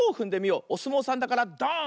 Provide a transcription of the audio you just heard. おすもうさんだからドーン！